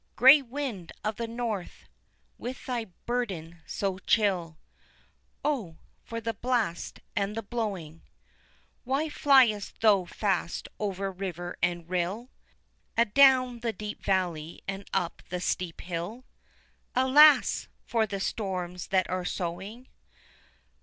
_ Grey wind of the North! with thy burden so chill, (Oh! for the blast and the blowing,) Why flyest thou fast over river and rill, Adown the deep valley and up the steep hill, (Alas! for the storms that are sowing.)